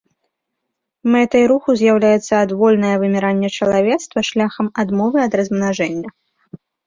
Мэтай руху з'яўляецца адвольнае выміранне чалавецтва шляхам адмовы ад размнажэння.